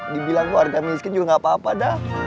dibilang keluarga miskin juga nggak apa apa dah